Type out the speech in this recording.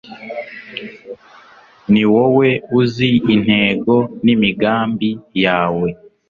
ni wowe uzi intego n'imigambi yawe,